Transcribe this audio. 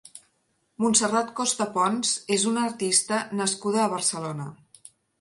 Montserrat Costa Pons és una artista nascuda a Barcelona.